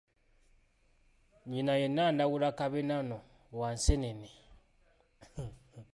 Nnyina ye Nnandawula Kabennano wa Nseenene.